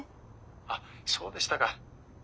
あっそうでしたか。